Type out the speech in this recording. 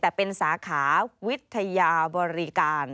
แต่เป็นสาขาวิทยาบริการ